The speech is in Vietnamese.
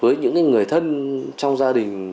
với những người thân trong gia đình